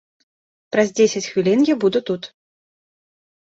Праз дзесяць хвілін я буду тут.